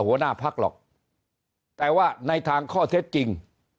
หัวหน้าพักหรอกแต่ว่าในทางข้อเท็จจริง